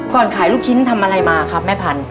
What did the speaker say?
ก่อนขายลูกชิ้นทำอะไรมาคะแม่พัน